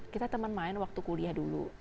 kita teman main waktu kuliah dulu